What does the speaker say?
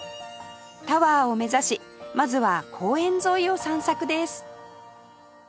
タワーを目指しまずは公園沿いを散策です